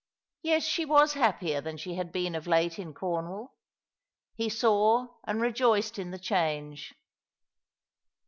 Yes, she was happier than she had been of late in Cornwall. He saw and rejoiced in the change.